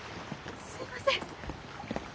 すいません！